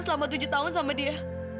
selama tujuh tahun sama dia